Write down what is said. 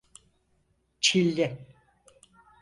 Çilli.